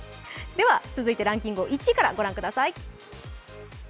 続いてランキング、１位からご覧ください。